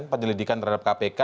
penyelidikan terhadap kpk